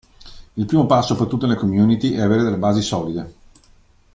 Il primo passo per tutte le community è avere delle basi solide.